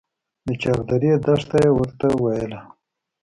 د چاردرې دښته يې ورته ويله.